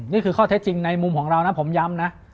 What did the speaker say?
นี่คือข้อเท็จจริงในมุมของเรานะผมย้ำนะ